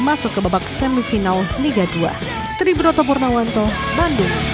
masuk ke babak semifinal liga dua